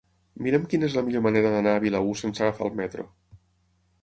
Mira'm quina és la millor manera d'anar a Vilaür sense agafar el metro.